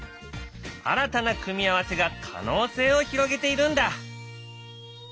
新たな組み合わせが可能性を広げているんだ。